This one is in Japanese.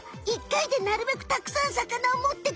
１回でなるべくたくさん魚をもってくる！